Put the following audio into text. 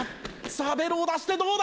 さあベロを出してどうだ？